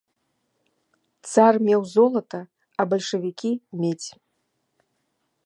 Цар меў золата, а бальшавікі медзь!